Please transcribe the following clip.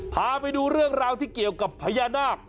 พาไปดูเรื่องราวที่เกี่ยวกับพญานาค